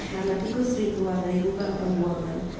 karena tikus itu ada di uang pembuangan